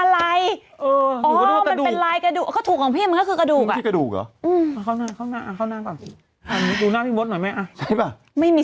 อเรนนี่